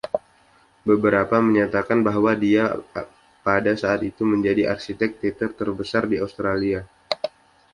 Beberapa menyatakan bahwa dia pada saat itu menjadi arsitek teater terbesar di Australia.